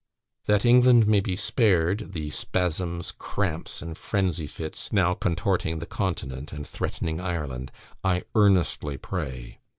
That England may be spared the spasms, cramps, and frenzy fits now contorting the Continent, and threatening Ireland, I earnestly pray.